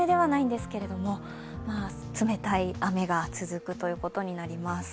冷たい雨が続くということになります。